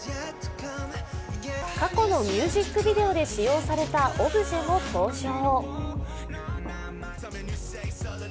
過去のミュージックビデオで使用されたオブジェも登場。